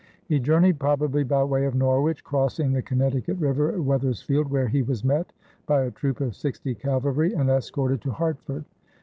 He journeyed probably by way of Norwich, crossing the Connecticut River at Wethersfield, where he was met by a troop of sixty cavalry and escorted to Hartford.